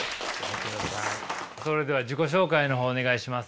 それでは自己紹介の方お願いします。